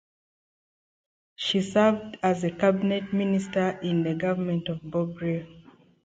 She served as a cabinet minister in the government of Bob Rae.